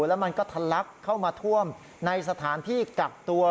แล้วมันก็ทะลักเข้ามาท่วมในสถานที่กักตัว